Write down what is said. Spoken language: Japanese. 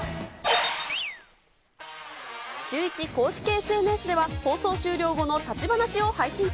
シューイチ公式ＳＮＳでは放送終了後の立ち話を配信中。